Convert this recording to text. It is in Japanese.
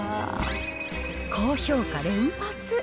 高評価連発。